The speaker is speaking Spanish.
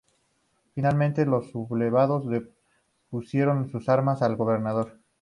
Finalmente los sublevados depusieron sus armas al gobernador.